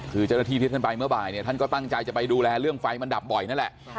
คือเจ้าหน้าที่ที่ท่านไปเมื่อบ่ายเนี่ยท่านก็ตั้งใจจะไปดูแลเรื่องไฟมันดับบ่อยนั่นแหละ